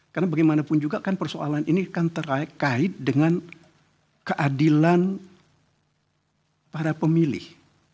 karena bagaimanapun juga kan persoalan ini kan terkait dengan keadilan para pemilih